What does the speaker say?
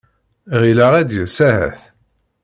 Ɣileɣ ad d-yas ahat.